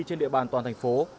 trên địa bàn toàn thành phố